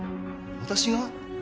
私が？